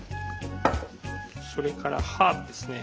それからハーブですね。